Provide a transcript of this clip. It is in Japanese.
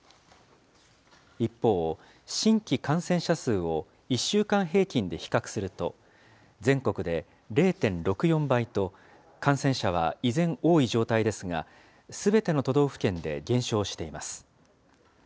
一方、新規感染者数を１週間平均で比較すると、全国で０．６４倍と、感染者は依然、多い状態ですが、すべての都道府県で減少しています。